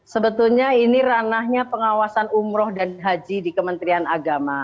sebetulnya ini ranahnya pengawasan umroh dan haji di kementerian agama